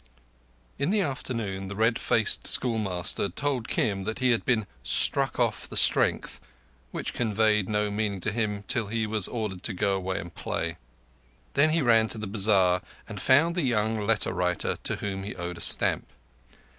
In the afternoon the red faced schoolmaster told Kim that he had been "struck off the strength", which conveyed no meaning to him till he was ordered to go away and play. Then he ran to the bazar, and found the young letter writer to whom he owed a stamp.